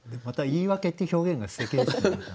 また「言い訳」って表現がすてきですね。